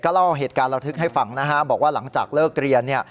เล่าเหตุการณ์ระทึกให้ฟังนะฮะบอกว่าหลังจากเลิกเรียน